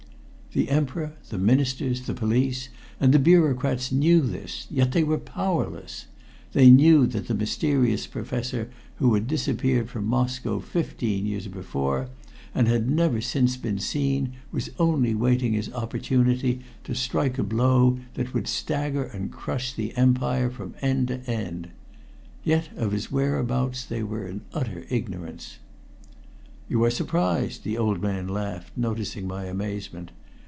The Emperor, the Ministers, the police, and the bureaucrats knew this, yet they were powerless they knew that the mysterious professor who had disappeared from Moscow fifteen years before and had never since been seen was only waiting his opportunity to strike a blow that would stagger and crush the Empire from end to end yet of his whereabouts they were in utter ignorance. "You are surprised," the old man laughed, noticing my amazement.